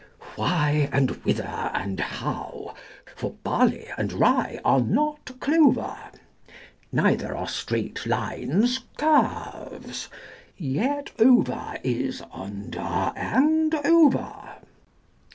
Why, and whither, and how? for barley and rye are not clover: Neither are straight lines curves: yet over is under and over.